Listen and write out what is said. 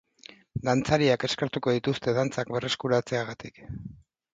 Dantzariak eskertuko dituzte dantzak berreskuratzeagatik.